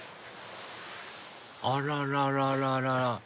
あららららら